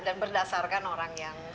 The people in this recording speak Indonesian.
dan berdasarkan orang yang